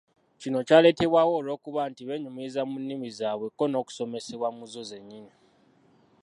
Kino kyaleetebwawo olw'okuba nti benyumiriza mu nnimi zaabwe kko n'okusomesebwa mu zzo zenyini.